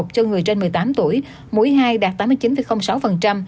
cho người trên một mươi tám tuổi mũi hai đạt tám mươi chín sáu